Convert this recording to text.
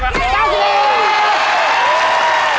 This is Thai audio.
แพงกว่าแพงกว่า